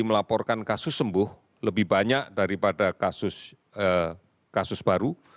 melaporkan kasus sembuh lebih banyak daripada kasus baru